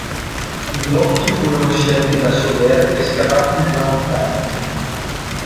I blocchi furono scelti da Soler e scavati nella montagna.